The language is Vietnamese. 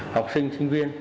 học sinh sinh viên